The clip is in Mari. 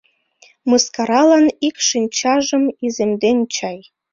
Мыскаралан ик шинчажым иземден чай.